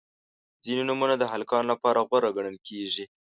• ځینې نومونه د هلکانو لپاره غوره ګڼل کیږي.